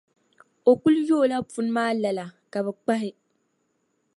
O kuli yoola puni maa lala, ka bi kpahi.